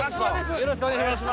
よろしくお願いします。